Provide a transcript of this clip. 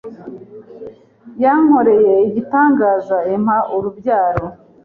yankoreye igitangaza impa urubyaro